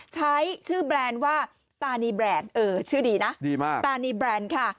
ใช้ชื่อแบรนด์ว่าตานีแบรนด์เออชื่อดีนะดีมากตานีแบรนด์ค่ะ